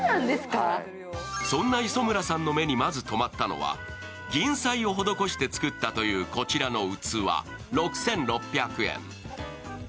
そんな磯村さんの目にまずとまったのは銀彩を施して作ったというこちらの器６６００円。